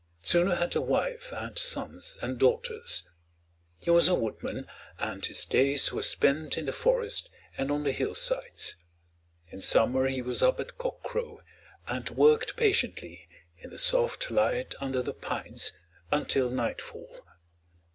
Tsunu had a wife and sons and daughters. He was a woodman, and his days were spent in the forest and on the hillsides. In summer he was up at cock crow, and worked patiently, in the soft light under the pines, until nightfall.